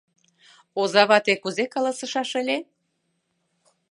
Озавате кузе каласышаш ыле?